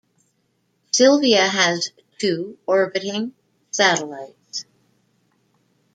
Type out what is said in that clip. Sylvia has two orbiting satellites.